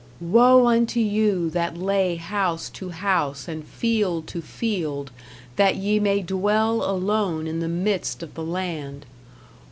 "Woe unto you that lay house to house and field to field, that ye may dwell alone in the midst of the land."